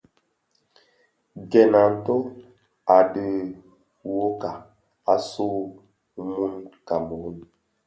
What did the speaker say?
Gèn a nto u dhid nwokag, asuu mun Kameroun,